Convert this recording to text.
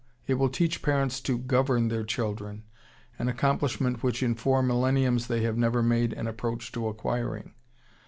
It will teach parents to govern their children, an accomplishment which in four millenniums they have never made an approach to acquiring.